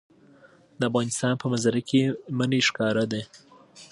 د افغانستان په منظره کې منی ښکاره ده.